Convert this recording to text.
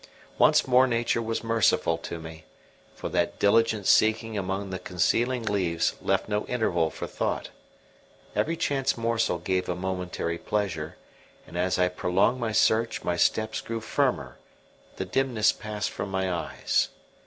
Once more Nature was merciful to me; for that diligent seeking among the concealing leaves left no interval for thought; every chance morsel gave a momentary pleasure, and as I prolonged my search my steps grew firmer, the dimness passed from my eyes.